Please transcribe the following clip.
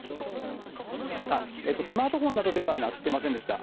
スマートフォンなどでは鳴ってませんでした。